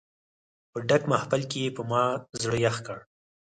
په ډک محفل کې یې په ما زړه یخ کړ.